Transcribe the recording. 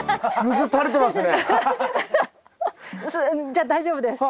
じゃあ大丈夫です。